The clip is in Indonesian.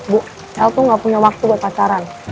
bu el tuh gak punya waktu buat pacaran